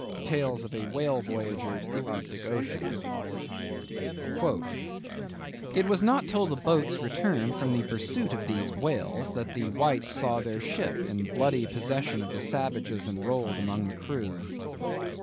—Tales of a Whale Voyager to the Arctic Ocean. "It was not till the boats returned from the pursuit of these whales, that the whites saw their ship in bloody possession of the savages enrolled among the crew."